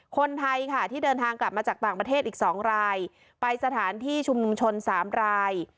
คนไทยค่ะที่เดินทางกลับมาจากต่างประเทศอีก๒รายไปสถานที่ชุมนุมชน๓ราย